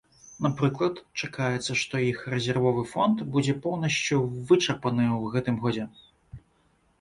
Напрыклад, чакаецца, што іх рэзервовы фонд будзе поўнасцю вычарпаны ў гэтым годзе.